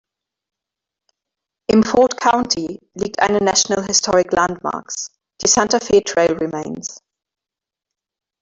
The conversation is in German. Im Ford County liegt eine National Historic Landmarks, die Santa Fe Trail Remains.